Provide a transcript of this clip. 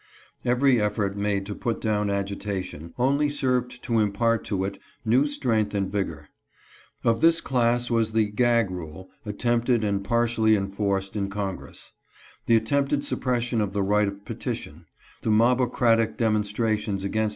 Every effort made to put down agita tion only served to impart to it new strength and vigor. Of this class was the " gag rule " attempted and partially enforced in Congress ; the attempted suppression of the right of petition; the mobocratic demonstrations against (360) SLAVEHOLDJNG AGGRESSION.